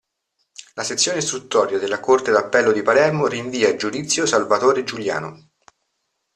La sezione istruttoria della Corte d'appello di Palermo rinvia a giudizio Salvatore Giuliano.